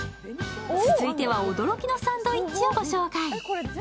続いては驚きのサンドイッチをご紹介。